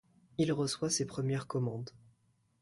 Il reçoit ses premières commandes.